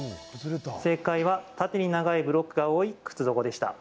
正解は縦に長いブロックが多い靴底でした。